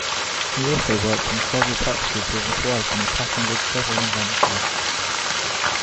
He also worked in several practices with his wife, and he patented several inventions.